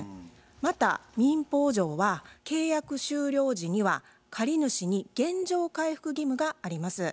また民法上は契約終了時には借り主に原状回復義務があります。